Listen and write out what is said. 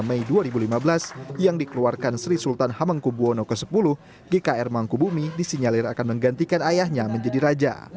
dua puluh mei dua ribu lima belas yang dikeluarkan sri sultan hamengkubwono x gkr mangkubumi disinyalir akan menggantikan ayahnya menjadi raja